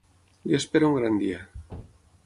Li espera un gran dia.